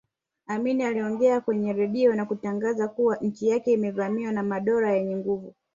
Amin aliongea kwenye redio na kutangaza kuwa nchi yake imevamiwa na madola yenye nguvu